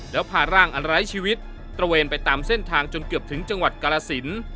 แล้วพาร่างอันไร้ชีวิตตระเวนไปตามเส้นทางจนเกือบถึงจังหวัดกาลสิน